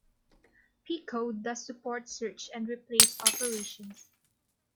Pico does support search and replace operations.